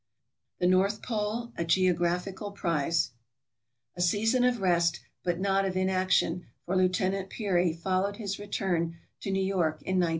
The North Pole a Geographical Prize A season of rest but not of inaction for Lieutenant Peary followed his return to New York in 1902.